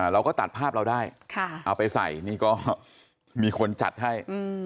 เราก็ตัดภาพเราได้เอาไปใส่นี่ก็มีคนจัดให้